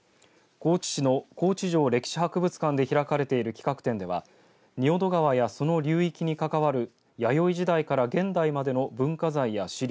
高知市の高知城歴史博物館で開かれている企画展では仁淀川やその流域に関わる弥生時代から現代までの文化財や資料